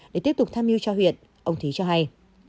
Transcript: để tiếp tục tham mưu cho huyện ông thí cho hay